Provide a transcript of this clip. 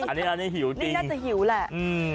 อันนี้อันนี้หิวจริงอันนี้น่าจะหิวแหละอืม